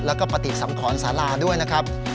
และก็ปฏิสัมขรรค์ศาลาด้วยนะครับ